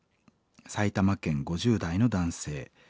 埼玉県５０代の男性。